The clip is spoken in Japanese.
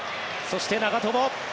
そして長友。